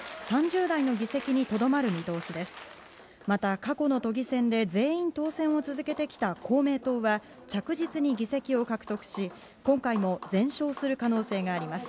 過去の都議選で全員当選を続けてきた公明党は着実に議席を獲得し、今回も全勝する可能性があります。